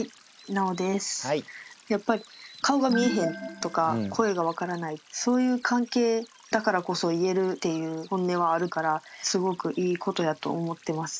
顔が見えへんとか声がわからないそういう関係だからこそ言えるっていう本音はあるからすごくいいことやと思ってます。